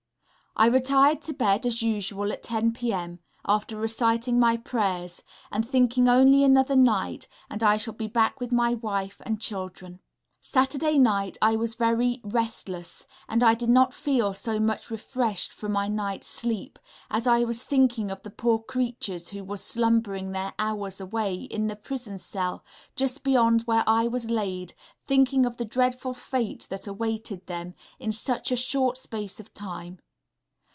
I retired to bed as usual at 10 0 p.m., after reciting my prayers, and thinking only another night and I shall be back with my wife and children. Saturday night I was very restless, and I did not feel so much refreshed for my night's sleep, as I was thinking of the poor creatures who was slumbering their hours away, in the prison cell, just beyond where I was laid, thinking of the dreadful fate that awaited them in such a short space of time.